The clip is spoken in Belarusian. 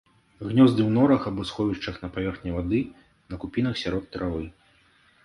Гнёзды ў норах або сховішчах на паверхні вады, на купінах сярод травы.